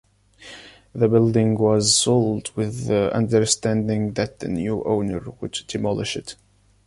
The building was sold with the understanding that the new owner would demolish it.